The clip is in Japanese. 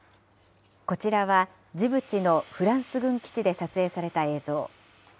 こちらはジブチのフランス軍基地で撮影された映像。